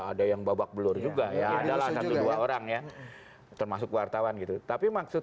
ada yang babak belur juga ya adalah satu dua orang ya termasuk wartawan gitu tapi maksud